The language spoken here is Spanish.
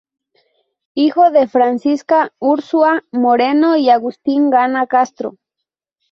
Hijo de Francisca Urzúa Moreno y Agustín Gana Castro.